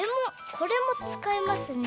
これもつかいますね。